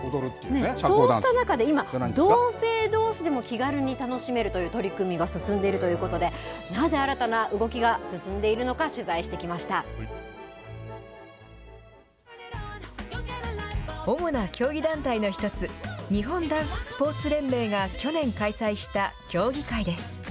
そうした中で今同性どうしでも気軽に楽しめるという取り組みが進んでいるということでなぜ新たな動きが進んでいるのか主な競技団体の１つ日本ダンススポーツ連盟が去年開催した競技会です。